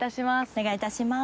お願い致します。